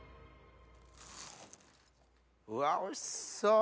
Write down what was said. うわおいしそう！